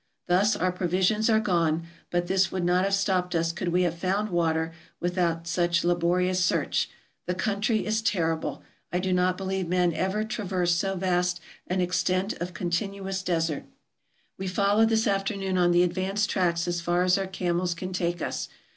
Thus, our provisions are gone, but this would not have stopped us could we have found water without such laborious search. The country is terrible. I do not believe men ever traversed so vast an extent of continuous desert. We follow this afternoon on the advance tracks as far as our camels can take us.